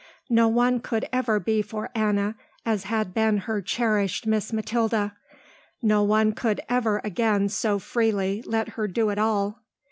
No one could ever be for Anna as had been her cherished Miss Mathilda. No one could ever again so freely let her do it all.